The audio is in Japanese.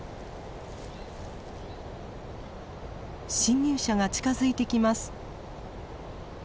侵入者が近づいてきます。